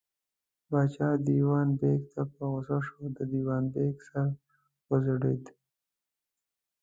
پاچا دېوان بېګ ته په غوسه شو، د دېوان بېګ سر وځړېد.